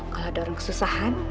kalau ada orang kesusahan